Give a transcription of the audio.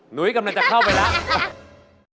หุ้ยกำลังจะเข้าไปแล้ว